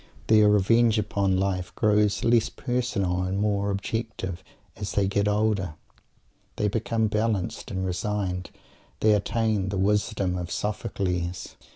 Their revenge upon life grows less personal and more objective as they get older. They become balanced and resigned. They attain "the wisdom of Sophocles."